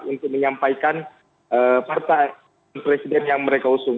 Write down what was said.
untuk menyampaikan partai presiden yang mereka usung